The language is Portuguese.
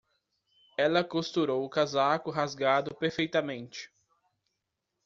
Ela costurou o casaco rasgado perfeitamente.